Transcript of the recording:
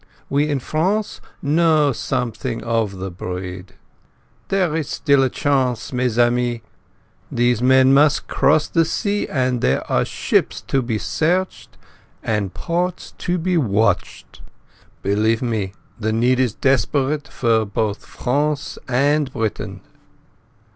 We in France know something of the breed. There is still a chance, mes amis. These men must cross the sea, and there are ships to be searched and ports to be watched. Believe me, the need is desperate for both France and Britain."